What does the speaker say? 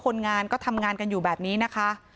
คนงานก็ทำงานกันอยู่แบบนี้นะคะ